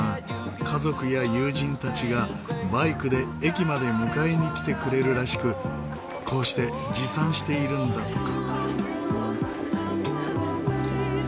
家族や友人たちがバイクで駅まで迎えに来てくれるらしくこうして持参しているんだとか。